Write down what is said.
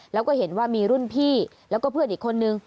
แล้วก็เห็นว่ามีรุ่นพี่แล้วก็เพื่อนอีกคนนึง